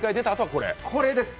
これです！